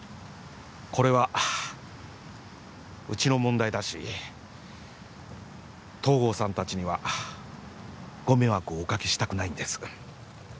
これはうちの問題だし東郷さん達にはご迷惑をおかけしたくないんです